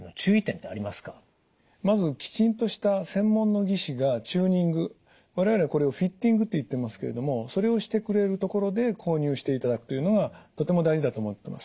まずきちんとした専門の技師がチューニング我々これをフィッティングといってますけれどもそれをしてくれる所で購入していただくというのがとても大事だと思ってます。